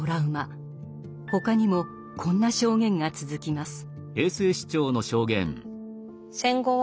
他にもこんな証言が続きます。